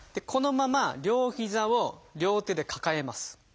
このまま両膝を両手で抱えます。